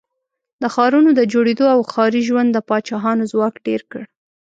د ښارونو د جوړېدو او ښاري ژوند د پاچاهانو ځواک ډېر کړ.